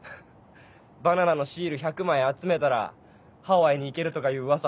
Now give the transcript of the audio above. バナナのシール１００枚集めたらハワイに行けるとかいう噂